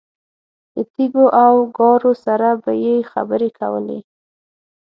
له تیږو او ګارو سره به یې خبرې کولې.